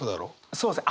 そうですね。